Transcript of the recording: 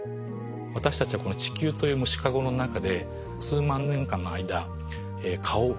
私たちはこの地球という虫かごの中で数万年間の間蚊を増やし続けてきた。